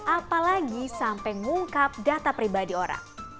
apalagi sampai ngungkap data pribadi orang